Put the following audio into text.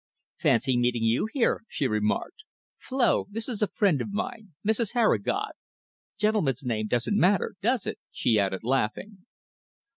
"Fancy meeting you here," she remarked. "Flo, this is a friend of mine. Mrs. Harrigod! Gentleman's name doesn't matter, does it?" she added, laughing.